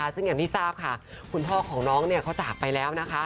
ซึ่งอย่างที่ทราบค่ะคุณพ่อของน้องเขาจากไปแล้วนะคะ